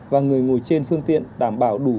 và người ngồi trên phương tiện đảm bảo đủ